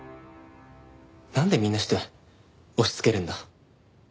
なんでみんなして押しつけるんだ。